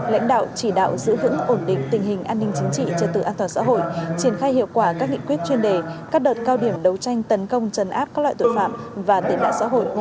lãnh đạo chỉ đạo giữ vững ổn định tình hình an ninh chính trị trật tự an toàn xã hội triển khai hiệu quả các nghị quyết chuyên đề các đợt cao điểm đấu tranh tấn công trấn áp các loại tội phạm và tệ nạn xã hội